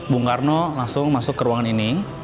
bung karno langsung masuk ke ruangan ini